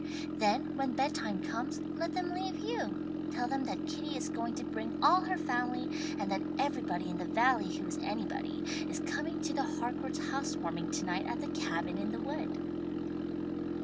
Then when bedtime comes let them leave you. Tell them that Kitty is going to bring all her family, and that everybody in the valley who is anybody is coming to the Harcourt's Housewarming to night at the 'Cabin in the Wood.'"